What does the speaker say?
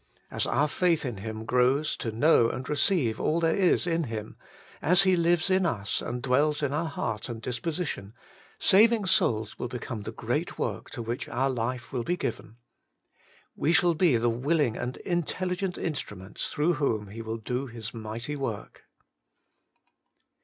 As our faith in Him grows to know and receive all there is in Him, as He lives in us, and dwells in our heart and disposi tion, saving souls will become the great work to which our life will be given. We shall be the willing and intelligent instru ments through whom He will do His mighty work.